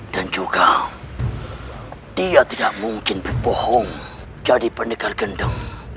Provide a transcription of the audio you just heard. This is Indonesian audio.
dan juga dia tidak mungkin berbohong jadi pendekar gendeng